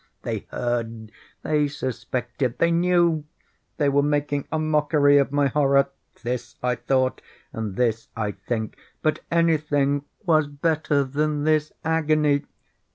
They heard!—they suspected!—they knew!—they were making a mockery of my horror!—this I thought, and this I think. But anything was better than this agony!